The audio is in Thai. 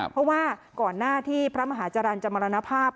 เพราะว่าก่อนหน้าที่พระมหาจรรย์จะมรณภาพ